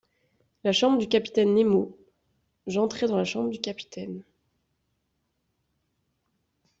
La chambre du capitaine Nemo J’entrai dans la chambre du capitaine.